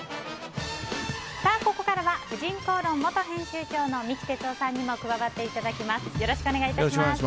ここからは「婦人公論」元編集長の三木哲男さんにも加わっていただきます。